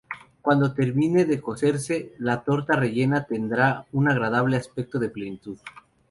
Cuando termine de cocerse, la torta rellena tendrá un agradable aspecto de plenitud.